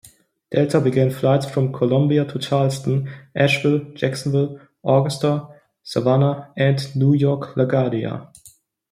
Delta began flights from Columbia to Charleston, Asheville, Jacksonville, Augusta, Savannah and New York-LaGuardia.